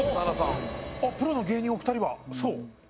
プロの芸人お２人はそう？